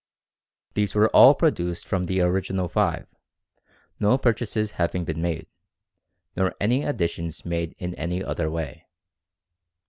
These were all produced from the original 5, no purchases having been made, nor any additions made in any other way.